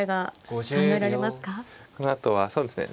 このあとはそうですね。